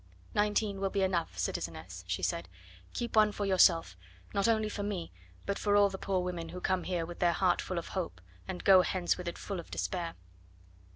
"Nineteen will be enough, citizeness," she said; "keep one for yourself, not only for me, but for all the poor women who come here with their heart full of hope, and go hence with it full of despair."